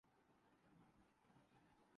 کبھی تو شب سر کاکل سے مشکبار چلے